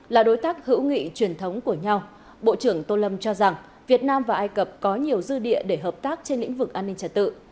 là đối tác hữu nghị truyền thống của nhau bộ trưởng tô lâm cho rằng việt nam và ai cập có nhiều dư địa để hợp tác trên lĩnh vực an ninh trả tự